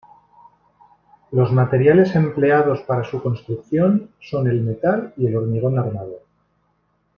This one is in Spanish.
Los materiales empleados para su construcción son el metal y el hormigón armado.